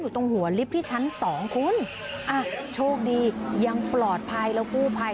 ตรงหัวลิฟท์ที่ชั้นสองคุณอ่ะโชคดียังปลอดภัยแล้วกู้ภัย